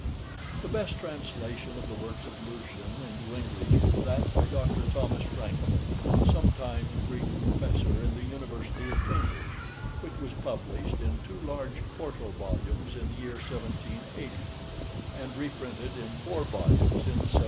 The best translation of the works of Lucian into English was that by Dr. Thomas Francklin, sometime Greek Professor in the University of Cambridge, which was published in two large quarto volumes in the year 1780, and reprinted in four volumes in 1781.